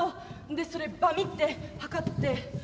んでそれバミって測って。